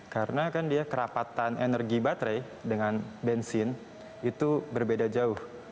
karena kan dia kerapatan energi baterai dengan bensin itu berbeda jauh